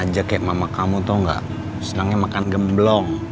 dia kayak mama kamu tau gak senangnya makan gemblong